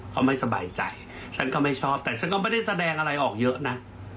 เขาไม่สบายใจฉันก็ไม่ชอบแต่ฉันก็ไม่ได้แสดงอะไรออกเยอะนะ